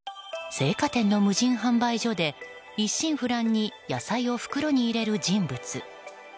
青果店の無人販売所で一心不乱に野菜を袋に入れる人物。